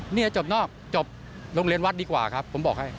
นี่จบนอกจบโรงเรียนวัดดีกว่าครับผมบอกให้